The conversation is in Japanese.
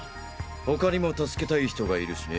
他にも助けたい人がいるしね。